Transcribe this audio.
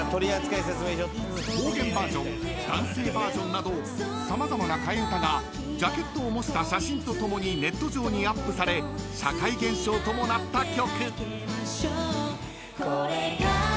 ［方言バージョン男性バージョンなど様々な替え歌がジャケットを模した写真とともにネット上にアップされ社会現象ともなった曲］